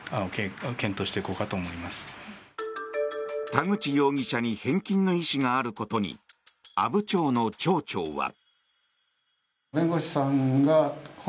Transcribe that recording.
田口容疑者に返金の意思があることに阿武町の町長は。